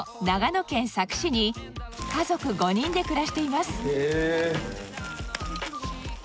長野県佐久市に家族５人で暮らしています